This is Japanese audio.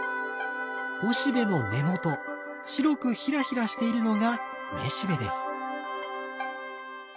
おしべの根元白くヒラヒラしているのがめしべです。